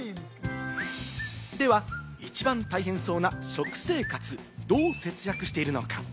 では一番大変そうな食生活、どう節約しているのか？